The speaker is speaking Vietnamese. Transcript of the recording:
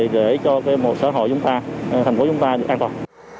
để cho một xã hội chúng ta thành phố chúng ta được an toàn